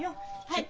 はい。